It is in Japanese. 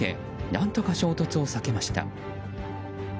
何とか衝突を避けました。